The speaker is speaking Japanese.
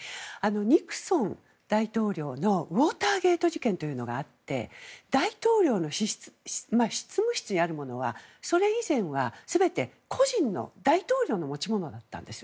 ニクソン大統領のウォーターゲート事件があって大統領の執務室にあるものはそれ以前は、全て個人の大統領の持ち物だったんです。